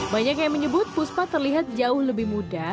banyak yang menyebut puspa terlihat jauh lebih muda